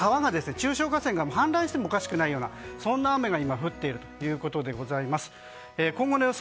あるいは川が中小河川が氾濫してもおかしくないような雨が降っているということでございます。